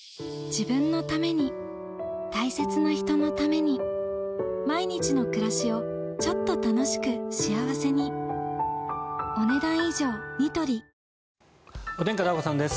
自分のために大切な人のために毎日の暮らしをちょっと楽しく幸せにお天気、片岡さんです。